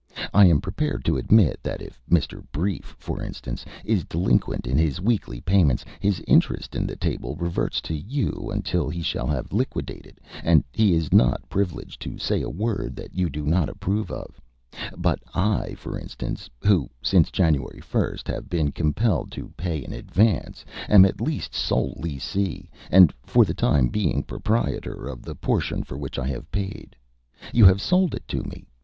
I am prepared to admit that if Mr. Brief, for instance, is delinquent in his weekly payments, his interest in the table reverts to you until he shall have liquidated, and he is not privileged to say a word that you do not approve of; but I, for instance, who since January 1st have been compelled to pay in advance, am at least sole lessee, and for the time being proprietor of the portion for which I have paid. You have sold it to me.